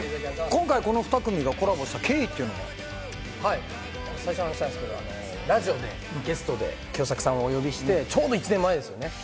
今回、この２組がコラボした経緯というのは？最初に話したんですけど、ラジオでゲストで清作さんをお呼びして、ちょうど１年前ですよね。